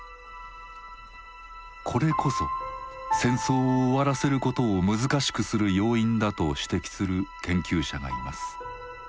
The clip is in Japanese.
これこそ戦争を終わらせることを難しくする要因だと指摘する研究者がいます。